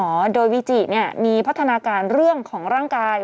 โดยวิจิมีพัฒนาการเรื่องของร่างกาย